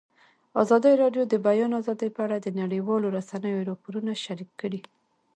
ازادي راډیو د د بیان آزادي په اړه د نړیوالو رسنیو راپورونه شریک کړي.